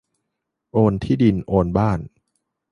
โอนที่ดินโอนบ้าน